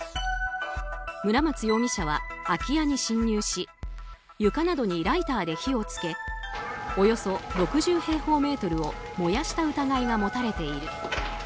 村松容疑者は、空き家に侵入し床などにライターで火をつけおよそ６０平方メートルを燃やした疑いが持たれている。